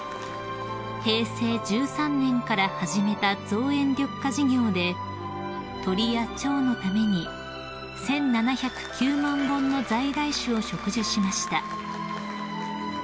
［平成１３年から始めた造園緑化事業で鳥やチョウのために１，７０９万本の在来種を植樹しました］